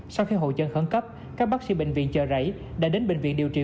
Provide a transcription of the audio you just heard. sau khi hộ chân khẩn cấp các bác sĩ bệnh viện chờ rảy đã đến bệnh viện điều trị